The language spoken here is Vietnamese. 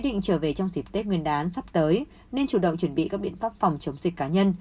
dịp tết nguyên đán sắp tới nên chủ động chuẩn bị các biện pháp phòng chống dịch cá nhân